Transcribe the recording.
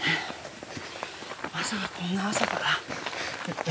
まさかこんな朝から。